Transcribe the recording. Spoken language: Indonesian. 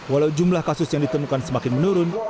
walau jumlah kasus yang ditemukan semakin menurun